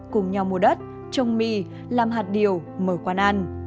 cùng nhau mua đất trồng mì làm hạt điều mở quán ăn